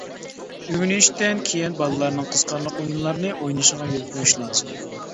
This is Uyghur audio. ئۆگىنىشتىن كېيىن بالىلارنىڭ قىزىقارلىق ئويۇنلارنى ئوينىشىغا يول قويۇش لازىم.